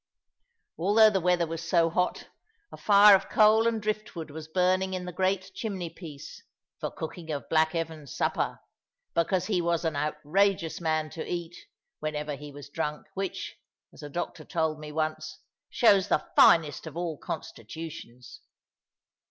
Although the weather was so hot, a fire of coal and driftwood was burning in the great chimney place, for cooking of black Evan's supper; because he was an outrageous man to eat, whenever he was drunk, which (as a doctor told me once) shows the finest of all constitutions.